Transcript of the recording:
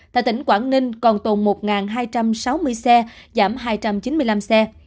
tại tỉnh quảng ninh còn tồn một hai trăm sáu mươi xe giảm hai trăm chín mươi năm xe